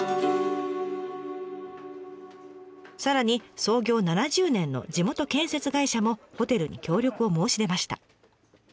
さらに創業７０年の地元建設会社もホテルに協力を申し出ました。